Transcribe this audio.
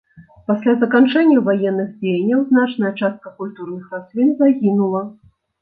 Пасля заканчэння ваенных дзеянняў значная частка культурных раслін загінула.